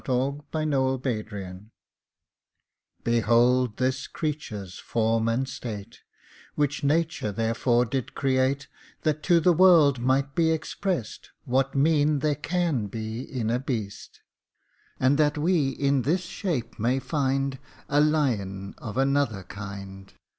THE IRISH GREYHOUND Behold this creature's form and state; Which nature therefore did create, That to the world might be exprest What mien there can be in a beast; And that we in this shape may find A lion of another kind.